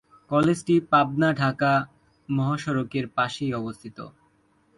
কলেজটি পাবনা-ঢাকা মহাসড়কের পাশেই অবস্থিত।